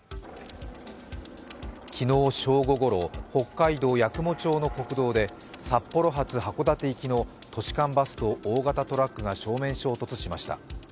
昨日正午ごろ、北海道八雲町の国道で、札幌発函館行きの都市間バスと大型トラックが正面衝突しました。